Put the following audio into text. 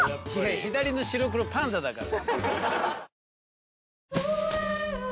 左の白黒パンダだから。